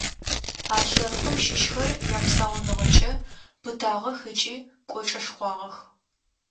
А лъэпкъым щыщхэр япсауныгъэкӏэ пытагъэх ыкӏи кӏочӏэшхуагъэх.